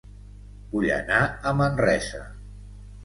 Vull anar a Manresa